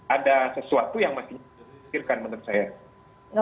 ada sesuatu yang masih dipikirkan menurut saya